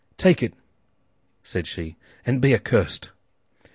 "Take it," said she, "and be accursed!"